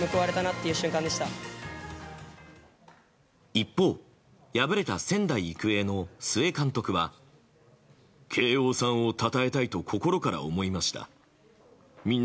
一方、敗れた仙台育英の須江監督は。と、話しました。